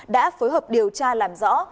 đã phối hợp điều tra làm rõ